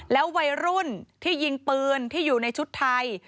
แล้ววัยรุ่นที่ยิงปืนที่อยู่ในชุดไทย